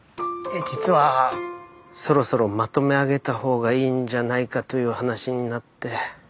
実はそろそろまとめ上げたほうがいいんじゃないかという話になって。